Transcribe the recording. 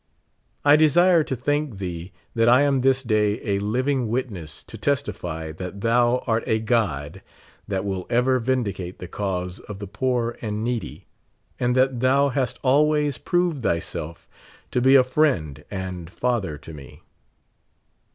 I desire to thank thee that I am this day a living witness to testify that thou art a God that will ever vindicate the cause of the poor and needy, and that thou hast alwa^'s proved thyself to be a friend and father to me.